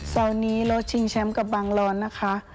เสาร์นี้เราชิงแชมป์กับบางร้อนนะคะ